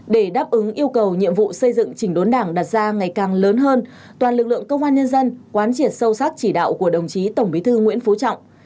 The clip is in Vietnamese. để đáp ứng yêu cầu nhiệm vụ xây dựng chỉnh đốn đảng đặt ra ngày càng lớn hơn toàn lực lượng công an nhân dân quán triệt sâu sắc chỉ đạo của đồng chí tổng bí thư nguyễn phú trọng